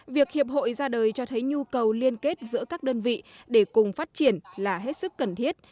việc hiệp hội ra đời cho thấy nhu cầu liên kết giữa các đơn vị để cùng phát triển là hết sức cần thiết